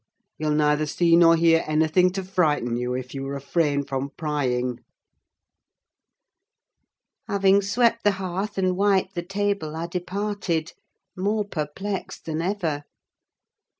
You'll neither see nor hear anything to frighten you, if you refrain from prying." Having swept the hearth and wiped the table, I departed; more perplexed than ever.